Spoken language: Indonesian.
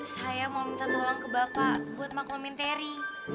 saya mau minta tolong ke bapak buat maklumin teri